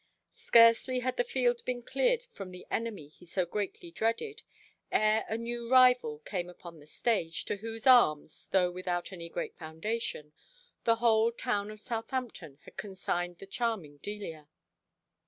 Scarcely had the field been cleared from the enemy he so greatly dreaded, ere a new rival came upon the stage, to whose arms, though without any great foundation, the whole town of Southampton had consigned the charming Delia.